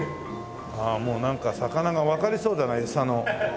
ああもうなんか魚がわかりそうだなエサの時は。